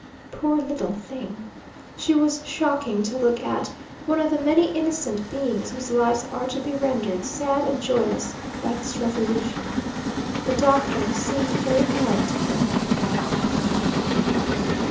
Poor little thing! she was shocking to look at; one of the many innocent beings whose lives are to be rendered sad and joyless by this revolution. The doctor seemed very kind to her.